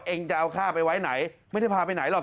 เองจะเอาข้าไปไว้ไหนไม่ได้พาไปไหนหรอก